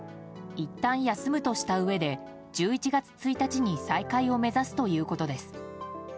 いったん休むとしたうえで１１月１日に再開を目指すということです。